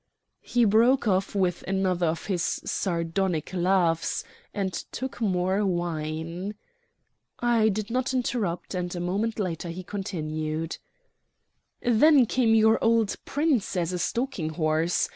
He broke off with another of his sardonic laughs, and took more wine. I did not interrupt, and a moment later he continued: "Then came your old Prince as a stalking horse.